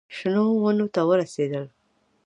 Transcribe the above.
شنو ونو ته ورسېدل.